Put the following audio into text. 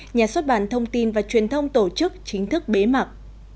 nhà xuất bản thông tin và truyền thông tổ chức chính thức bế mạc